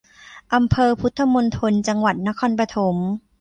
อำเภอพุทธมณฑล จังหวัดนครปฐม